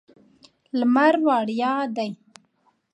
لمر وړیا دی.